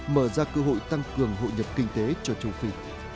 mở ra cơ hội tăng cường hội nhập kinh tế cho châu phi